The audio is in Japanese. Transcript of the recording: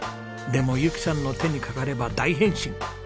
でも由紀さんの手に掛かれば大変身！